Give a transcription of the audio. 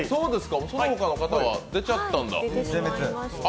その他の方は出ちゃったんだ。